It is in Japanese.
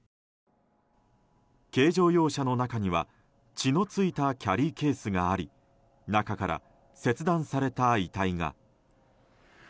軽乗用車の中には血の付いたキャリーケースがあり中から切断された遺体が。